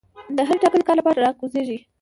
د هر ټاکلي کار لپاره را کوزيږي